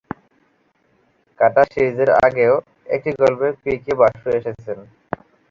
কাঁটা সিরিজের আগেও একটি গল্পে পি কে বাসু এসেছেন।